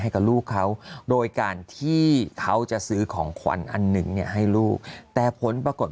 ให้กับลูกเขาโดยการที่เขาจะซื้อของขวัญอันหนึ่งเนี่ยให้ลูกแต่ผลปรากฏ